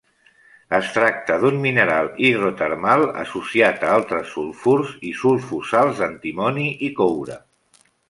Es tracta d'un mineral hidrotermal associat a altres sulfurs i sulfosals d'antimoni i coure.